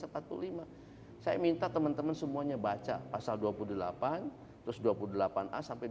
saya minta teman teman semuanya baca pasal dua puluh delapan terus dua puluh delapan a sampai dua puluh